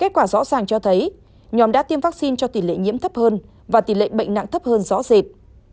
kết quả rõ ràng cho thấy nhóm đã tiêm vaccine cho tỷ lệ nhiễm thấp hơn và tỷ lệ bệnh nặng thấp hơn rõ rệt